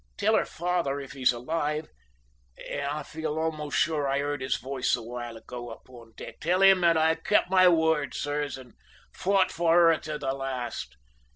Tell her father, if he's alive and I feel almost sure I heard his voice awhile ago up on deck tell him that I kept my word, sirs, and fought for her to the last.